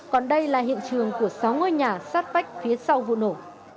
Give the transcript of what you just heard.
còn đây là hiện trường của sáu ngôi nhà sát vách phía sau vụ nổ